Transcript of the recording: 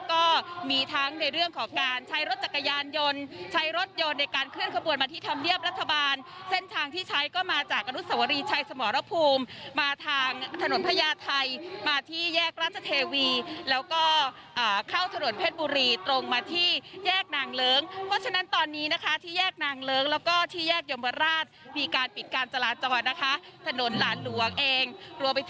ก็มีทั้งในเรื่องของการใช้รถจักรยานยนต์ใช้รถยนต์ในการเคลื่อนขบวนมาที่ธรรมเนียบรัฐบาลเส้นทางที่ใช้ก็มาจากอนุสวรีชัยสมรภูมิมาทางถนนพญาไทยมาที่แยกราชเทวีแล้วก็เข้าถนนเพชรบุรีตรงมาที่แยกนางเลิ้งเพราะฉะนั้นตอนนี้นะคะที่แยกนางเลิ้งแล้วก็ที่แยกยมราชมีการปิดการจราจรนะคะถนนหลานหลวงเองรวมไปถึง